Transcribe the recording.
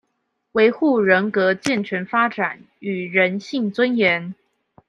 維護人格健全發展與人性尊嚴